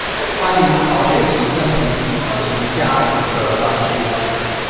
關於曹雪芹生平及其家族的專書